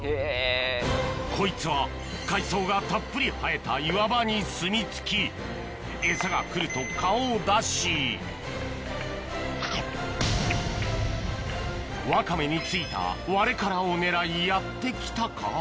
こいつは海藻がたっぷり生えた岩場にすみ着きエサが来ると顔を出しワカメについたワレカラを狙いやって来たか？